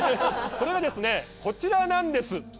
それがですねこちらなんです。